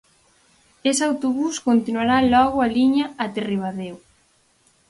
Ese autobús continuará logo a liña até Ribadeo.